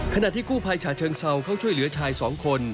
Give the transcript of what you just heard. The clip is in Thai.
ขณะที่กู้ภัยฉะเชิงเซาเข้าช่วยเหลือชายสองคน